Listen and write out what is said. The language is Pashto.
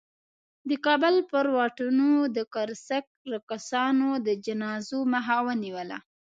د کابل پر واټونو د قرصک رقاصانو د جنازو مخه ونیوله.